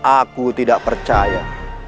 aku tidak percaya